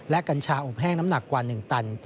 กัญชาอบแห้งน้ำหนักกว่า๑ตัน